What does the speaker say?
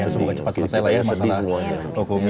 semoga cepat selesai lah ya masalah hukumnya